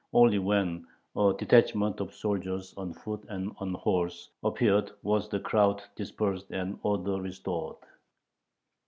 Only when a detachment of soldiers on foot and on horse appeared was the crowd dispersed and order restored.